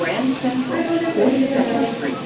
زه نوری پیسې نه لرم